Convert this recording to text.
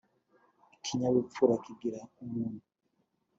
ikinyabupfura kigira umuntu